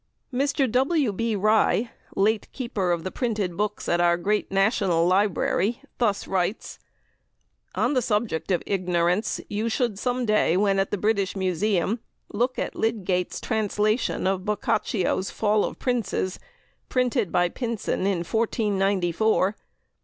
Mr. W. B. Rye, late Keeper of the Printed Books at our great National Library, thus writes: "On the subject of ignorance you should some day, when at the British Museum, look at Lydgate's translation of Boccaccio's 'Fall of Princes,' printed by Pynson in 1494.